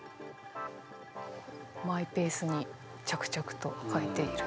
マイペースに着々と書いている。